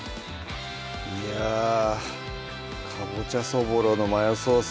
いやぁ「かぼちゃそぼろのマヨソース」